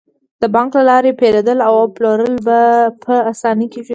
د بانک له لارې پيرودل او پلورل په اسانۍ کیږي.